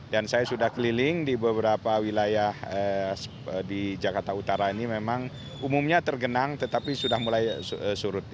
dan saya sudah keliling di beberapa wilayah di jakarta utara ini memang umumnya tergenang tetapi sudah mulai surut